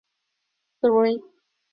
布夸朗和诺济耶尔人口变化图示